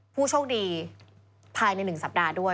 ผู้โชคดีภายใน๑สัปดาห์ด้วย